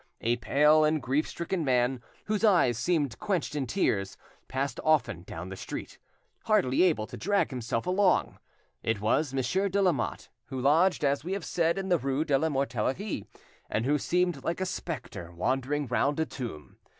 A pale and grief stricken man, whose eyes seemed quenched in tears, passed often down the street, hardly able to drag himself along; it was Monsieur de Lamotte, who lodged, as we have said, in the rue de la Mortellerie, and who seemed like a spectre wandering round a tomb.